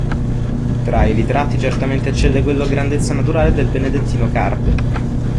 Tra i ritratti certamente eccelle quello a grandezza naturale del benedettino Card.